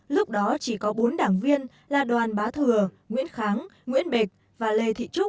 lúc đó chỉ có bốn đảng viên là đoàn bá thừa nguyễn kháng nguyễn bạch và lê thị trúc